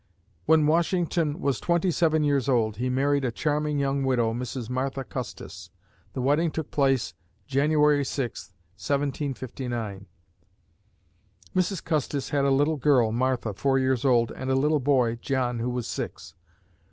When Washington was twenty seven years old, he married a charming young widow, Mrs. Martha Custis. The wedding took place January 6, 1759. Mrs. Custis had a little girl, Martha, four years old, and a little boy, John, who was six.